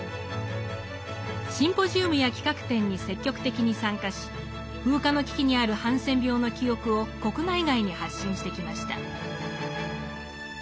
シンポジウムや企画展に積極的に参加し風化の危機にあるハンセン病の記憶を国内外に発信してきました。